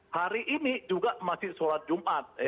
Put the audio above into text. hari ini juga masih sholat jumat